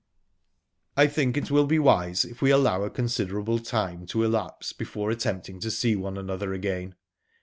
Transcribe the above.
"I think it will be wise if we allow a considerable time to elapse before attempting to see one another again.